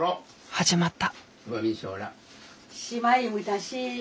始まった。